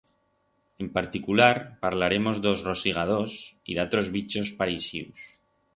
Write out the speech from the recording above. En particular parlaremos d'os rosigadors y d'atros bichos pareixius.